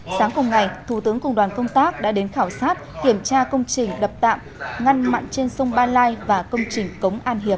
sáng cùng ngày thủ tướng cùng đoàn công tác đã đến khảo sát kiểm tra công trình đập tạm ngăn mặn trên sông ba lai và công trình cống an hiệp